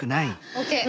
ＯＫ！